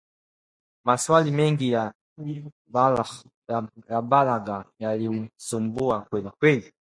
Mwaswali mengi ya balagha yalimsumbua kwelikweli